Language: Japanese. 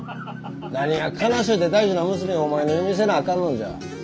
何が悲しゅうて大事な娘をお前の嫁にせなあかんのじゃ。